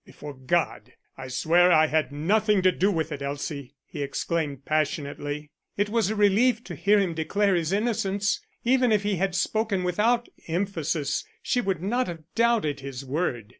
"Before God, I swear I had nothing to do with it, Elsie," he exclaimed passionately. It was a relief to hear him declare his innocence. Even if he had spoken without emphasis she would not have doubted his word.